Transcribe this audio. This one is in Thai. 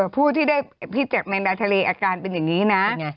ผู้ที่ได้พิษจากแมงดาทะเลอาการเป็นอย่างนี้นะ